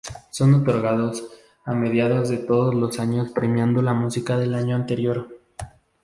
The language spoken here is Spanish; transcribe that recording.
Son otorgados a mediados de todos los años premiando la música del año anterior.